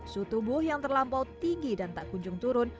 suhu tubuh yang terlampau tinggi dan tak kunjung turun